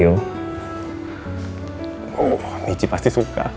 oh michi pasti suka